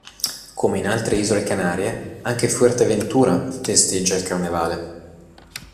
Come in altre Isole Canarie, anche Fuerteventura festeggia il carnevale.